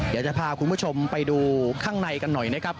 เดี๋ยวจะพาคุณผู้ชมไปดูข้างในกันหน่อยนะครับ